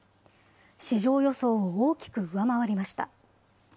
市場予想を大きく上回りました。